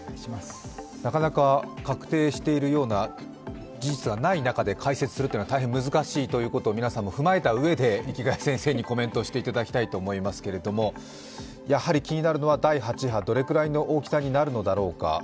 なかなか確定しているような事実がない中で解説するというのは大変難しいということを皆さんもお分かりのうえで、池谷先生にコメントをしていただきたいと思いますけれども、やはり気になるのは第８波、どれくらいの大きさになるのだろうか。